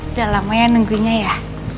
udah lama ya nunggunya ya